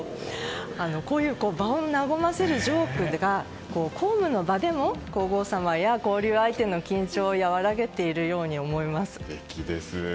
こういう場を和ませるジョークが公務の場でも皇后さまや交流相手の緊張を和らげているように思います。